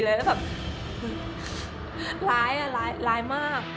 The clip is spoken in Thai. เวทีเลยแล้วแบบหือร้ายอ่ะร้ายร้ายมาก